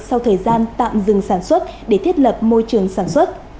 sau thời gian tạm dừng sản xuất để thiết lập môi trường sản xuất